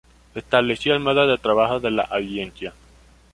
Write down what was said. Estableció el modo de trabajo de la Audiencia.